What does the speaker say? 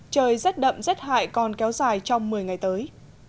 trời rét đậm rét hại còn kéo dài trong một mươi ngày tới